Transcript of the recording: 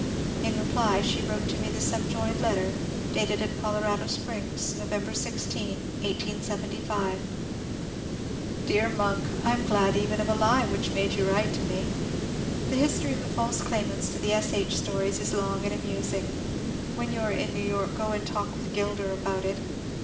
In reply she wrote me the subjoined letter, dated at Colorado Springs, November 16, 1875 :— Dear Monk, — I am glad of even a lie which made you write to me. The history of the false claimants to the S. H. THE SAXE HOLM STORIES 429 stories 18 long and amusing. When you are in New York go and talk with Gilder about it.